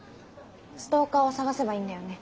ストーカーを捜せばいいんだよね？